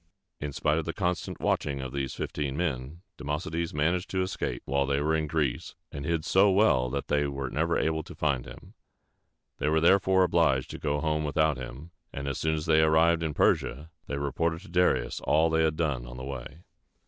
In spite of the constant watching of these fifteen men, Democedes managed to escape while they were in Greece, and hid so well that they were never able to find him. They were therefore obliged to go home without him; and as soon as they arrived in Persia, they reported to Darius all they had done on the way.